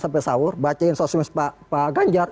sampai sahur bacain sosme pak ganjar